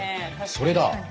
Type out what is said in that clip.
それだ。